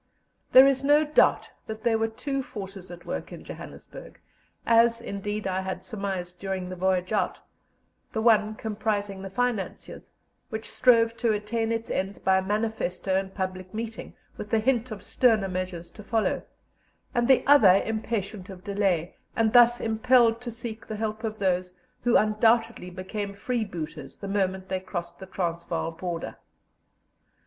There is no doubt that there were two forces at work in Johannesburg, as, indeed, I had surmised during our voyage out: the one comprising the financiers, which strove to attain its ends by manifesto and public meeting, with the hint of sterner measures to follow; and the other impatient of delay, and thus impelled to seek the help of those who undoubtedly became freebooters the moment they crossed the Transvaal border.